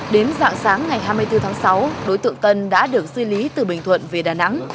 đến dạng sáng ngày hai mươi bốn tháng sáu đối tượng tân đã được di lý từ bình thuận về đà nẵng